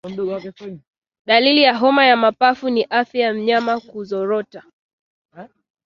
Dalili ya homa ya mapafu ni afya ya mnyama kuzorota